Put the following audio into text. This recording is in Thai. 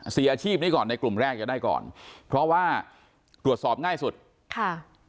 อาชีพนี้ก่อนในกลุ่มแรกจะได้ก่อนเพราะว่าตรวจสอบง่ายสุดค่ะ